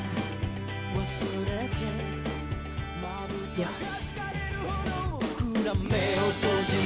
よし。